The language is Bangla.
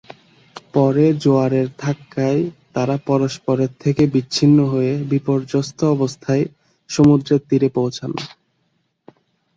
পরে জোয়ারের ধাক্কায় তারা পরস্পরের থেকে বিচ্ছিন্ন হয়ে বিপর্যস্ত অবস্থায় সমুদ্রের তীরে পৌঁছান।